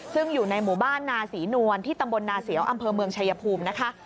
ซึ่งอยู่ในหมู่บ้านนาศรีนวลที่ตำบลนาเสียวอำเภอเมืองชายภูมินะคะ